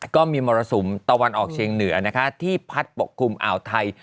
ก็มีมรสุมตะวันออกเชียงเหนือนะคะที่พัดปกคลุมอ่าวไทย